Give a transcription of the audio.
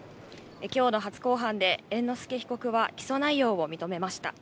きょうの初公判で猿之助被告は起訴内容を認めました。